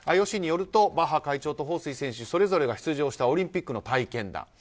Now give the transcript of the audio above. ＩＯＣによるとバッハ会長とホウ・スイ選手それぞれが出場したオリンピックの体験談。